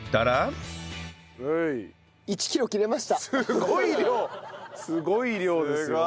すごい量ですよ。